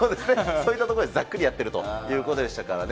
そんなところでざっくりやってるということでしたからね。